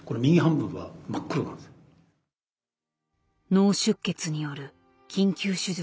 脳出血による緊急手術。